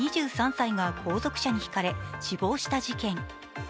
２３歳が後続車にひかれ死亡した事件。